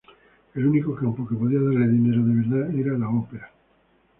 El único campo que podía darle dinero de verdad era la ópera.